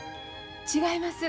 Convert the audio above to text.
違います。